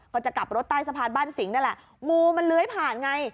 ก็จะกลับรถใต้สะพานบ้านสิงห์นั่นแหละงูมันเลื้อยผ่านไง